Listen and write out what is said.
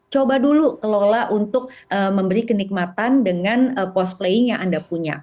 coba dulu kelola untuk memberi kenikmatan dengan post playing yang anda punya